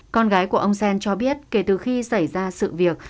con gái của ông gen cho biết kể từ khi xảy ra sự việc